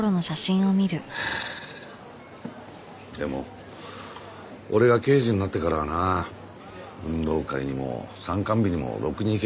でも俺が刑事になってからはな運動会にも参観日にもろくに行けなくて。